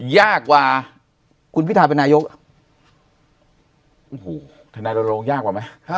ยากกว่าคุณพิทาเป็นนายกโอ้โหธนายรณรงค์ยากกว่าไหม